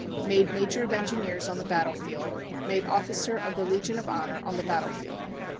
Made Major of Engineers on the battle field. Made Officer of the Legion of Honor, on the battle field.